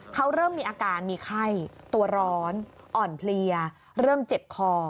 เขาเริ่มมีอาการมีไข้ตัวร้อนอ่อนเพลียเริ่มเจ็บคอ